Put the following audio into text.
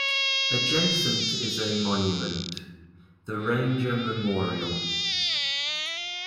Adjacent is a monument, the Ranger Memorial.